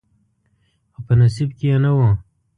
خو په نصیب کې یې نه و.